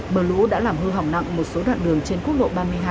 mưa lũ đã làm hư hỏng nặng một số đoạn đường trên quốc lộ ba mươi hai